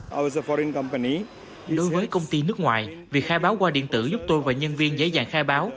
đối với công ty nước ngoài việc khai báo qua điện tử giúp tôi và nhân viên giải dạng khai báo